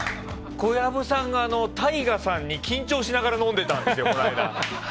小籔さんがＴＡＩＧＡさんに緊張しながら飲んでたんですよ、この間。